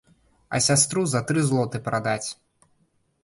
А сястру за тры злоты прадаць.